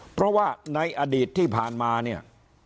เพราะว่าในอดีตที่ผ่านมาเนี่ย